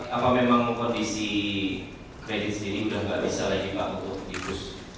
apa memang kondisi kredit sendiri sudah tidak bisa lagi pak untuk di push